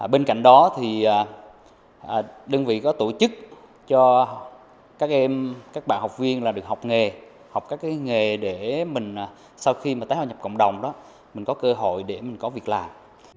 bên cạnh đó đơn vị có tổ chức cho các bạn học viên được học nghề để sau khi tái hoạt nhập cộng đồng có cơ hội để có việc làm